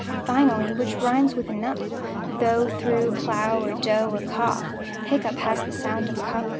Finally: which rimes with "enough," Though, through, plough, cough, hough, or tough? Hiccough has the sound of "cup"......